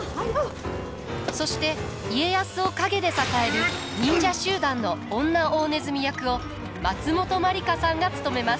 そして家康を陰で支える忍者集団の女大鼠役を松本まりかさんが務めます。